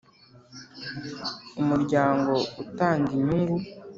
Umuryango utanga inyungu